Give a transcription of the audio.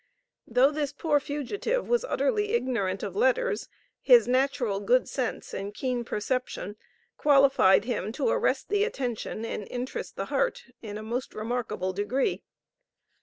Though this poor Fugitive was utterly ignorant of letters, his natural good sense and keen perception qualified him to arrest the attention and interest the heart in a most remarkable degree.